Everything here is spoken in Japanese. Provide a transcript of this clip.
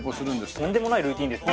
とんでもないルーチンですね。